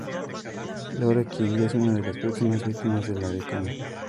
Laura, quien ya es una de las próximas víctimas de la Decana.